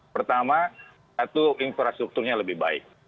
pertama satu infrastrukturnya lebih baik